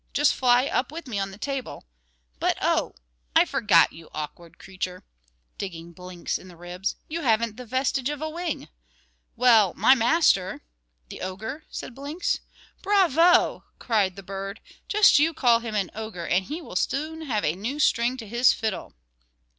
Just fly up with me on the table; but, oh! I forgot, you awkward creature," digging Blinks in the ribs, "you haven't the vestige of a wing; well, my master " "The ogre?" said Blinks. "Bravo!" cried the bird, "just you call him an ogre, and he will soon have a new string to his fiddle."